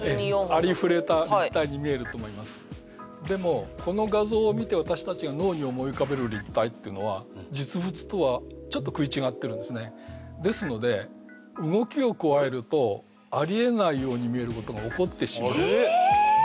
ありふれた立体に見えると思いますでもこの画像を見て私たちが脳に思い浮かべる立体っていうのは実物とはちょっと食い違ってるんですねですので動きを加えるとえっ？ありえないように見えることが起こってしまうえ